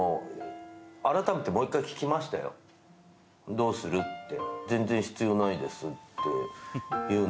「どうする？って」